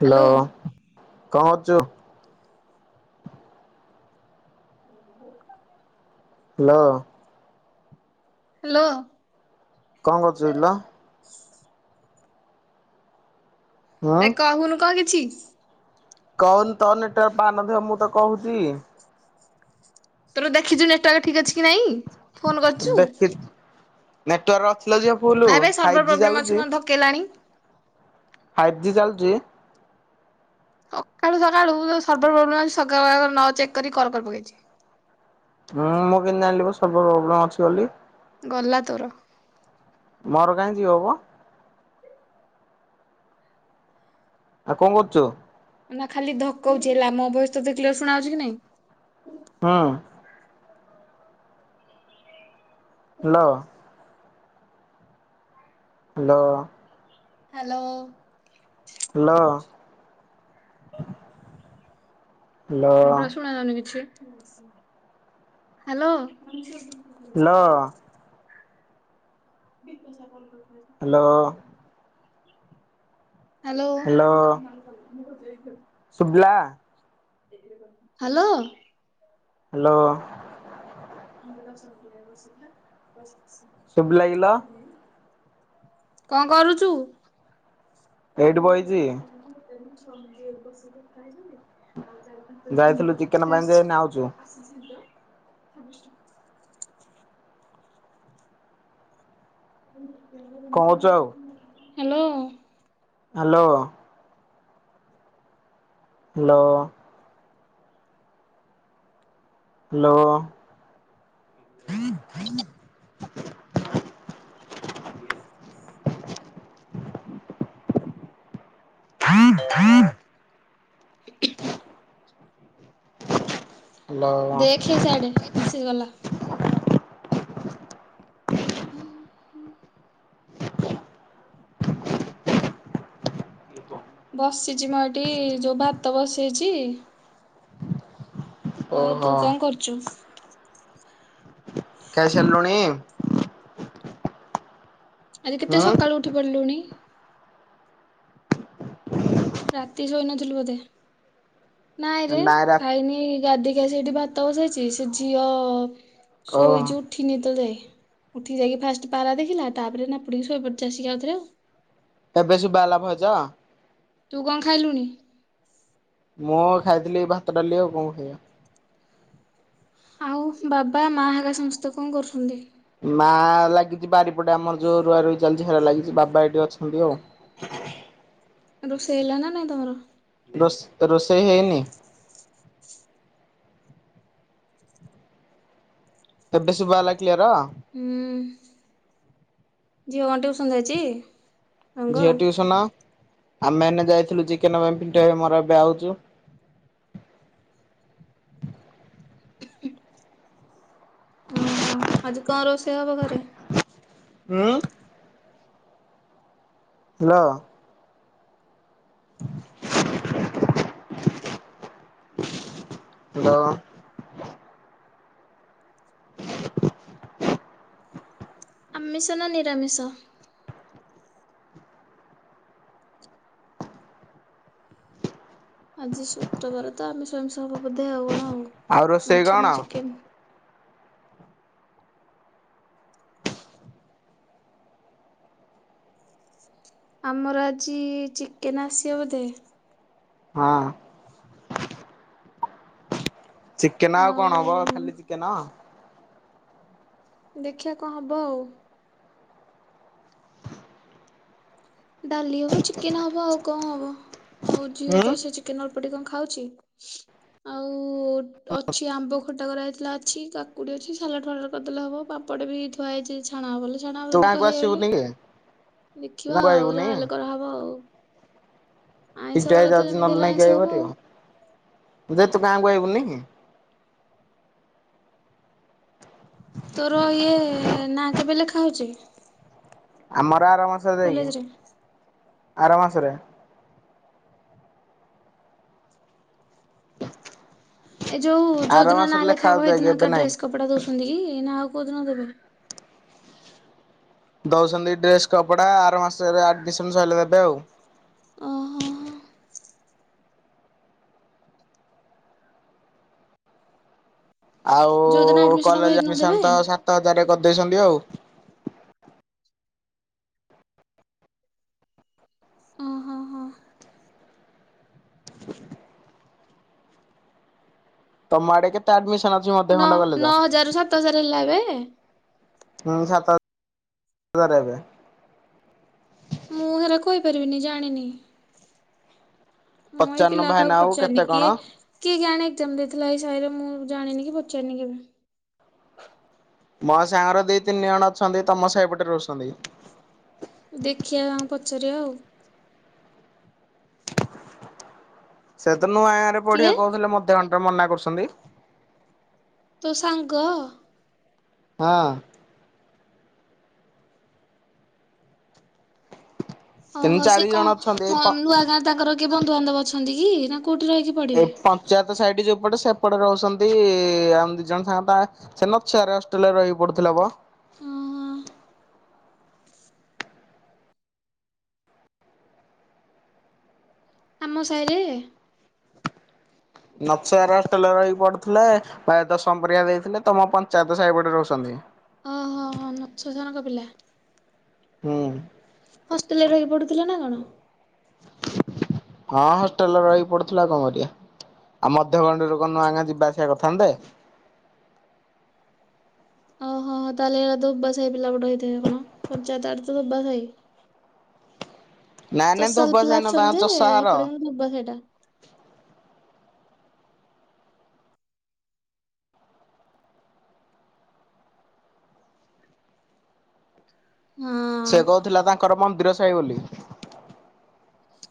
Hello, କଣ କରୁଚୁ? [unintelligible] Hello. Hello. କଂ କରୁଚୁକିଲୋ। ହୁଁ ଏ କହୁନୁ କଂ କିଛି। କଣ ତ ନେଟ ପାଉ ନଥିବ ମୁଁ ତ କହୁଚି। ତୋର ଦେଖିଛୁ ନେଟୱର୍କ ଠିକ ଅଛି। କି ନାଇଁ ଫୋନ କରିଛୁ ଦେଖିଚି ନେଟୱର୍କ ଅଛିଲୋ ଝିଅ ଫୁଲୁ। ଫାଇପି ଯି ଚାଲୁଚି। କେଲାଣି। ଫାଇଭ୍ ଜି ଚାଲୁଚି। ସକାଳୁ ସକାଳୁ ସର୍ଭ ପ୍ରୋବ୍ଲେମ ଅଛି ସ ନ ଚେକ୍ କରି କର କରି ପକେଇଛି। ହୁଁ ମୁଁ କେମିତି ଆଣିଲିବ ସର୍ଭ ପ୍ରୋବ୍ଲେମ୍ ଅଛି ବୋଲି। ଗଲା ତୋର। ମୋର କାଇଁ ଯିବ ମ। ଆଉ କଂ କରୁଚୁ? ନା ଖାଲି ଧକ୍କାଉଛି ହେଲା ମୋ ଭଏସ ତୋତେ କ୍ଲିଆର ଶୁଣାଉଛି କି ନାଇଁ? ହଁ। Hello. Hello hello. Hello. Hello ହଁ ପ୍ରଶ ଶୁଣାଯାଉନି କିଛି। Hello. Hello. [unintelligible] Hello hello [inaudible] ସୁୁଭିଲା hello hello ଦର୍ଶନ ପିଲା [unintelligible] ବସି ଶୁଭିଲା କିଲୋ ଆସନ କଣ କରୁଛୁ? ଏଇଠି ବଇଚି। [unintelligible] ବସିକି କଥା ହେଇଛନ୍ତି ଆଉ ତାର ଯାଇଥିଲୁ ଚିକେନ ପାଇଁ ଯେ ଏଇନେ ଆଉଛୁ। [inaudible] କଣ କରୁଛ ଆଉ hello hello hello hello [inaudible] [inaudible] hello କିଏ ସେଆଡ଼େ ମେସେଜ୍ ଗଲା ହୁଁ ହୁଁ ବସିଛି ମଁ ଏଠି ଯୋଉ ଭାତ ବସେଇଛି। ଆଉ ଓହୋ। ତୁ କଣ କରୁଛୁ? ଖାଇ ସାରିଲୁଣି। ଆଜି କେତେ ହୁଁ ସକାଳୁ ଉଠି ପଡିଲୁଣି। ରାତି ଶୋଇ ନଥିଲୁ ବୋଧେ ନାଇଁରେ ନାଇଁ ରା ଖାଇନି ଗାଧି ସେଇଠି ଭାତ ବସେଇଛି ସେ ଝିଅ ଓହୋ ଶୋଇଚି ଉ ଉଠିନି ଏତଳ ଯାଏ ଉଠି ଯାଇକି ଫାଷ୍ଟ ପାରା ଦେଖିଲା ତାପରେ ନାପୁଡ଼ିକ ଶୋଇପଡ଼ିଛି ଆସିକ ଆଉଥରେ ଆଉ। ଏବେ ଶୁଭା ହେଲା [inaudible] ତୁ କଣ ଖାଇଲୁଣି? ମୁଁ ଖାଇଥିଲି ଭାତ ଡାଲି ଆଉ କଣ ଖାଇବା। ଆଉ ବାବା ମା ହେରେକା ସମସ୍ତେ କଣ କରୁଛନ୍ତି। ମା ଲାଗିଛି ବାରିପଟେ ଆମର ଯୋଉ ରୁଆରୁଇ ଚାଲିଛି ହେରା ଲାଗିଛି ବାବା ଏଇଠି ଅଛନ୍ତି ଆଉ [inaudible] ରୋସେଇ ହେଲା ନା ନାଇ ତମର ରୋଷ ରୋଷେଇ ହେଇନି। ଏବେ ଶୁଭା ହେଲା କ୍ଲିୟର। ହୁଁ ଝିଅ କଣ ଟିଉସନ୍ ଯାଇଛି। ରଙ୍ଗ? ଝିଅ ଟିଉସନ ଆମେ ଏନା ଯାଇଥିଲୁ ଚିକେନ ପାଇଁ ପିଣ୍ଟୁ ଭାଇ ମୋର ଏବେ ଆଉଛୁ [inaudible] ଓହୋ ଆଜି କଣ ରୋଷେ ସେଇ ହବ ଘରେ ହୁଁ ହାଲୋ ହାଲୋ [inaudible] ଆମିଷ ନା ନିରାମିଷ। ଆଜି ଶୁକ୍ରବାର ତ ଆମିଷ ଫାମିଷ ହବ ବୋଧେ ଆଉ କଣ ଆଉ ରୋଷେଇ ମାଛ କଣ? ନା ଚିକେନ ଆମର ଆଜି ଚିକେନ୍ ଆସିବ ବୋଧେ। ହଁ ଚିକେନ ଆଉ କଣ ହବ ଖାଲି ଚିକେନ? ଦେଖିବା କଣ ହବ ଆଉ? ଡାଲି ହବ ଚିକେନ ହବ ଆଉ କଣ ହବ ଆଉ ଝିଅ ଉଁ ତ ସେ ଚିକେନ ଅଳପଟିକେ କଣ ଖାଉଛି। ଆଉ ଅଛି ଆମ୍ବ ଖଟା କରାଯାଇଥିଲା ଅଛି କୁଡ଼ି ଅଛି ସାଲଡ଼ ଫାଲଡ଼ କରିଦେଲେ ହବ ପାପଡ଼ ବି ହେ ଥୁଆ ହେଇଛି ଛଣା ହବ ବୋଲି ଛାଣ ହବ ତୁ ଯଦି କହିବା ବଲେ ଦେଖିଆ ନା ପାଇବୁନି। ଆଇଁଷ ତିନଟା ହେଇ ବାର ତ ଯାଉଛି ଯେମିତି ନହେଲେ ହେଲେ ନାଇଁ କିଏ ଆଇଁଷ ହବ ଆଉ ଆଇପାରିବ ଯେ ତୁ ଗାଁକୁ ଆଇବୁନି? ତୋର ଇଏ ନାଁ କେବେ ଲେଖାହଉଛି? ଆମର ଆର ମାସରେ ଯାଇକି କଲେଜରେ? ଆର ମାସରେ ଏ ଯୋଉ ଯୋଉ ଆର ଦିନ ନା ମାସରେ ଲେଖା ଲେଖାହବ ହଉଛି ହେଇ ଯାଇକି ଦିନ ଏବେ ଏକା ନାଇଁ ଡ୍ରେସ କପଡ଼ା ଦଉଛନ୍ତି ନା ଆଉ କୋଉ ଦିନ ଦେବେ। ଦଉସନ୍ତି ଡ୍ରେସ୍ କପଡ଼ା ଆର ମାସରେ ଆଡ଼ମିସନ୍ ସରିଲେ ଦେବେ ଆଉ। ଓହୋ ହ। ଆଉ ଯୋଉ ଦିନ ଆଡମିସନ ହବ କଲେଜ ହେଇଦିନ ଦେବେ? ଆଡମିଶନ ତ ସାତ ହଜାର କରିଦେଇଛନ୍ତି ଆଉ। ଓହୋ ହୋ ତମ ଆଡେ କେତେ ଆଡମିସନ ଅଛି ନଅ ମଧ୍ୟଖଣ୍ଡ କଲେଜ? ନଅ ହଜାରରୁ ସାତ ହଜାର ହେଲାଏବେ। ହୁଁ ସାତ ହଜାର ହଜାର ଏବେ ମୁଁ ହେରା କହିପାରିବିନି ଜାଣିନି। ମୁଁ ଏଇ ପଚାରୁନୁ ପିଲା ଭାଇନା ହହାକୁ ଆଉ ପଚାରନି କେତେ କଣ? କିଏ କିଏ କେଆଣି ଏକ୍ଜାମ ଦେଇଥିଲା ଏଇ ସାହିରେ ମୁଁ ଜାଣିନି କି ପଚାରିନି କେବେ। ମୋ ସାଙ୍ଗର ଦି ତିନି ଜଣ ଅଛନ୍ତି ତମ ସାହିପଟେ ରହୁସନ୍ତି। ଦେଖିଆ ଆଙ୍କୁ ପଚାରିବା ଆଉ। ସେ ତ ନୂଆ ଗାଁ ରେ କିଏ ପଢିବାକୁ କହୁଥିଲେ ମଧ୍ୟ ଘଣ୍ଟାରେ ମନା କରୁଛନ୍ତି। ତୋ ସାଙ୍ଗ? ହଁ। ତିନି ଓହୋ ସେ ଚାରି ଜଣ ଅଛନ୍ତି ଏଇ କଣ ପ ନୂଆ ଗାଁରେ ତାଙ୍କର କିଏ ବନ୍ଧୁବାନ୍ଧବ ଅଛନ୍ତି କି ନା କୋଉଠି ରହିକି ଏ ପଢିବେ? ପଞ୍ଚାୟତ ସାଇଡ ଯୋଉପଟେ ସେପଟେ ରହୁଛନ୍ତି ଆମେ ଦି ଜଣ ସାଙ୍ଗ ତା ସେ ନଛିଆରେ ହଷ୍ଟେଲ ରେ ରହି ପଡୁଥିଲା ବ। ଓହୋ ଆମ ସାହିରେ? ନଛଆରେ ହଷ୍ଟେଲ ରହିି ପଡୁଥିଲା। ପ୍ରାୟେ ଦଶମ ପରୀକ୍ଷା ଦେଇଥିଲେ ତମ ପଞ୍ଚାୟତ ସାହିପଟେ ରହୁସନ୍ତି। ଓହୋ ହ ନଛ ସାରଙ୍କ ପିଲା। ହୁଁ। ହଷ୍ଟେଲ ରେ ରହିକି ପଡୁଥିଲେ ନା କଣ? ହଁ ହଷ୍ଟେଲରେ ରହି ପଡୁଥିଲା ଆଉ କଣ କରିଆ। ଆଉ ମଧ୍ୟ ଖଣ୍ଡରୋକ ଲୋକ ନୁଆଗାଁ ଯିବା ଆସିବା କରିଥାନ୍ତେ। ଓହୋ ହୋ ତାହେଲେ ତାହେଲେ ହେରା ଧୋବା ସାହି ପିଲାପଟ ହେଇଥିବ କଣ ପଞ୍ଚାୟତ ଆଡେ ତ ଧୋବା ସାହି। ନାଇ ନାଇଁ ଧୋବା ସାହି ନୁହଁ ତାଙ୍କର ଚଷାଘର। ଧୁବା ସାଇଟା। ହଁ। ସେ କହୁଥିଲା ତାଙ୍କର ମନ୍ଦିର ସାହି ବୋଲି।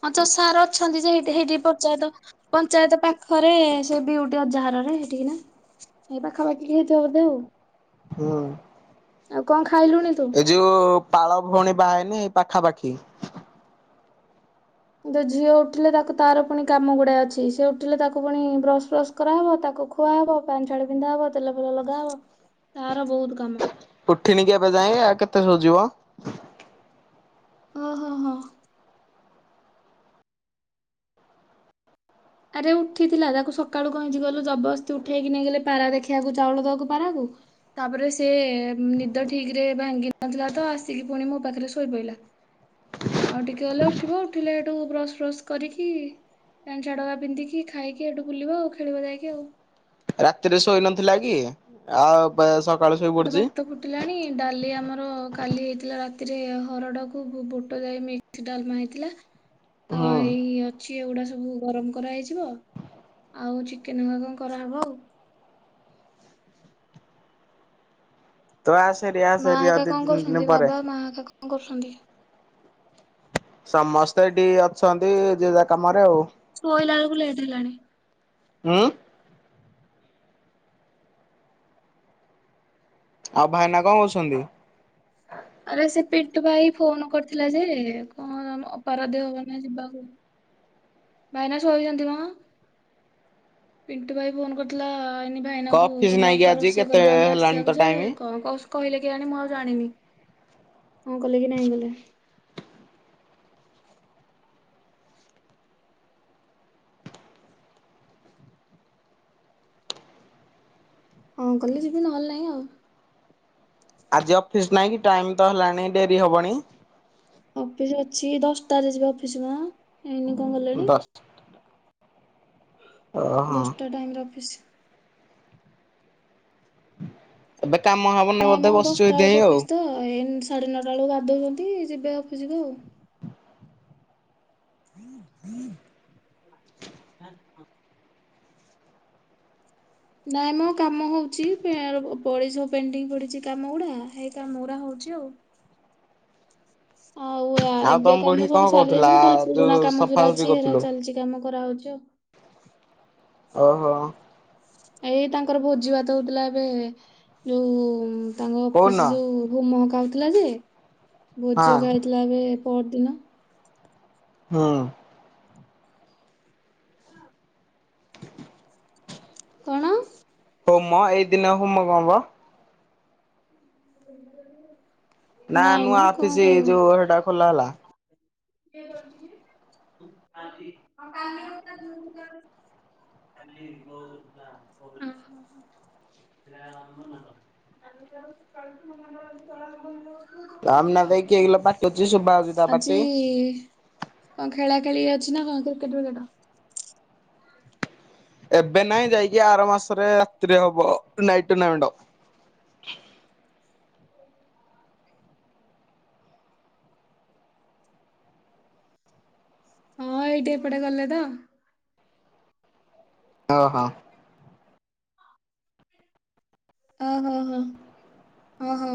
ହଁ ଚଷାଘର ଅଛନ୍ତି ଜେ ହେଇଠି ପଚାୟତ। ପଞ୍ଚାୟତ ପାଖରେ ସେ ବିଉଟି ଅଜାଘର ନାଁ ହେଠିକି ନା? ହେଇ ପାଖାପାଖି ହେଇଥବ ବଧେ ଆଉ। ହୁଁ। ଆଉ କଣ ଖାଇଲୁଣି ତୁ? ଏ ଯୋଉ ପାଳ ଭଉଣୀ ବାହା ହେଇନି ଏଇ ପାଖାପାଖି? ଦେ ଝିଅ ଉଠିଲେ ତାକୁ ତାର ପୁଣି କାମ ଗୁଡ଼ା ଅଛି ସେ ଉଠିଲେ ତାକୁ ପୁଣି ବ୍ରସ୍ ଫ୍ରସ୍ କରାହବ ତାକୁ ଖୁଆହବ ପ୍ୟାନ୍ ଛାଡ ପିନ୍ଧା ହବ ତେଲ ଫେଲ ଲଗାହବ ତାର ବହୁତ କାମ। ଉଠିନି କିି ଏବେ ଯାଇଁ ଏ ଆ କେତେ ଶୋଉଚି ବ? ଓହୋ ହଁ। ଆରେ ଉଠିଥିଲା ତାକୁ ସକାଳୁ କଁ ହେଇଚି କଇଲ ଜବସ୍ତି ଉଠେଇକି ନେଇଗଲେ ପାରା ଦେଖିବାକୁ ଚାଉଳ ଦବାକୁ ପାରାକୁ ତାପରେ ସେ ନିଦ ଠିକ୍ ରେ ଭାଙ୍ଗି ନଥିଲା ତ ଆସିକି ପୁଣି ମୋ ପାଖରେ ଶୋଇ ପଇଲା। ଆଉ ଟିକେ ହେଲେ ଉଠିବ ଉଠିଲେ ହେଠୁ ବ୍ରସ ବ୍ରସ୍ କରିକି ପ୍ୟାନ୍ ଛାଡ଼ଗା ପନ୍ଧିକି ଖାଇକି ହେଠୁ ବଲିବ ଆଉ ଖେଳିବା ଯାଇକି ଆଉ। ରାତିରେ ଶୋଇ ନଥିଲା କି ଆଉ ବେ ସକାଳୁ ଶୋଇ ପଡ଼ଚି? ଟିଲାଣି ଡାଲି ଆମର କାଲି ହେଇଥିଲା ରାତିରେ ହରଡ଼କୁ ବୁ ବୁଟ ଜାଇ ମିକ୍ସ ଡାଲମା ହେଇଥିଲା। ହୁଁ ଅ ହେଇ ଅ ଚି ଏଉଡା ସବୁ ଗରମ କରାହେଇଯିବ ଆଉ ଚିକେନ ହୁଆ କଁ କରାହବ ଆଉ। ତ ଆସେ ହାରି ଆ ମା ଆକା କଁ କରୁଛନ୍ତି ବାବା ମା ଆକା କଁ କରୁଛନ୍ତି? ସମସ୍ତେ ଏଠି ଅଛନ୍ତି ଯିଏ ଯାହା କାମରେ ଆଉ। ଶୋଇଲା ଏଳୁକୁ ଲେଟ୍ ହେଲାଣି। ଉଁ? ଆଉ ଭାଇନା କଁ କରୁଛନ୍ତି? ଆରେ ସେ ପିଣ୍ଟୁ ଭାଇ ଫୋନ୍ କରିଥିଲା ଯେ କଁ ଆମ ଅପାର ଦେହ ଭଲ ନାହିଁ ଯିବାକୁ। ଭାଇନା ଶୋଇଛନ୍ତି ମ। ପିଣ୍ଟୁ ଭାଇ ଫୋନ୍ କରିଥିଲା ଏ ନି କ ଭାଇନାଙ୍କୁ ଅଫିସ କଲା ନାଇଁ କି ଅପା ଆଜି ରୋଷେଇ କେତେ କରିପାରୁନି ହେଲାଣି ତ ଆସିବାକୁ ଯେ ଟାଇମ? କଁ କହୁଛ କହିଲେ କେଆଣି ମୁଁ ଆଉ ଜାଣିନି ହଁ କଲେ କି ନାହିଁ କଲେ। ହଁ କଲେ ଯିବି ନହେଲେ ନାଇଁ ଆଉ। ଆଜି ଅଫିସ୍ ନାଇଁ କି ଟାଇମ୍ ତ ହେଲାଣି ଡେରି ହବଣି? ଅଫିସ୍ ଅଛି ଦଶଟାରେ ଯିବେ ଅଫିସ୍ ମ ଏଇନି କଁ ଗଲେଣି? ଦଶ ଓହଁ। ଦଶଟା ଟାଇମ୍ ରେ ଅଫିସ୍। ଏବେ କାମ ହ ନାଇଁ ମ ଦଶଟା ଅଳୁକୁ ଅଫିସ୍ ତ ଏଇ ସାଢ଼େ ନଅଟା ଅଳୁ ଗାଧଉଛନ୍ତି ଯିବେ ଅଫିସିକୁୁ ଆଉ। ହୁଁ ହାଁ ହଁ। ନାଇଁ ମ କାମ ହଉଚି ପେର୍ ପଡ଼ି ସବୁ ପେଣ୍ଟିଙ୍ଗ୍ ପଡ଼ିଚି କାମ ଉଡା ହେଇ କାମ ଉରା ହଉଚି ଆଉ। ଆଉ ଆ ଆଉ ତମ ଏବେ ବୁଢୀ କାମ କଣ ସବୁ ସାରି କହୁଥିଲା ଦେଇଛନ୍ତି ଖାଲି ଯୋଉ ପୁରୁଣା କାମ ଯୋଉରା ସଫାସଫି ଅଛି ହେରା କରୁଥିଲୁ? ଚାଲଚି। କାମ କରା ହଉଚି ଆଉ। ଓହୋ। ଆ ଏଇ ତାଙ୍କର ଭୋଜି ଭାତ ହଉଥୁଲା ଏବେ ଯୋଉ ତାଙ୍କ ଅଫିସ୍ କୋଉଦିନ ଯୋଉ ହୁମ ହକା ହଉଥୁଲା ଯେ ଭୋଜି ହଁ ହକା ହେଇଥିଲା ଏବେ ପଅରଦିନ। ହଁ। କଣ? ହୋମ ଏଇ ଦିନ ହୋମ କଁ ବ? ମୁଁ ଜାଣିନି। ନାଁ ନୂଆ ଅଫିସ୍ ଯୋଉ ହେଟା ଖୋଲା ହେଲା? କିଏ କରିଚି? ହଁ କାଲି ଅତା ଯୋଉ ଗାରୁ କାଲି [unintelligible] ହଁ ହଁ ହଁ। [unintelligible] ତାମ ନାଦେଇକି କିଏକିଲୋ ପାଟି ହଉଛି ଶୁଭା ଯାଉଛି ତା ପାଟି। କି କଣ ଖେଳା ଖେଳି ଅଛିନା କଣ କ୍ରିକେଟ ଫିକେଟ? ଏବେ ନାଇଁ ଯାଇକି ଆର ମାସରେ ରାତିରେ ହବ ନାଇଟ ଟୁନାମେଣ୍ଟ। ହଁ ଏଇଠି ଏପଟେ ଗଲେତ ଓହୋ। ଓହୋ ହୋ ଓହୋ।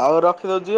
ହଉ ରଖିଦଉଛି।